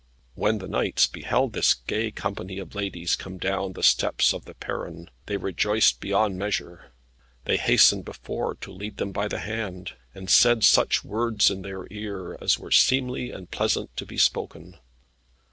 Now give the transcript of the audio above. When the knights beheld this gay company of ladies come down the steps of the perron, they rejoiced beyond measure. They hastened before to lead them by the hand, and said such words in their ear as were seemly and pleasant to be spoken.